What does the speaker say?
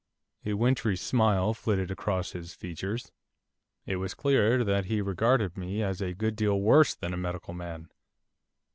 A wintry smile flitted across his features, it was clear that he regarded me as a good deal worse than a medical man.